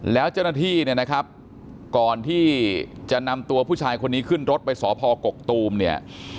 แล้วเจ้าหน้าที่เนี่ยนะครับก่อนที่จะนำตัวผู้ชายคนนี้ขึ้นรถไปสพกกตูมเนี่ย